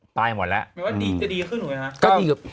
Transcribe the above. หมายความว่าจะดีขึ้นหรือไงครับ